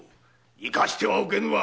生かしてはおけぬ。